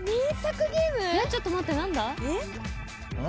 ちょっと待って何だ？